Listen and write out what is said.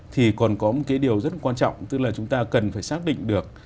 thì còn có một cái điều rất quan trọng tức là chúng ta cần phải xác định được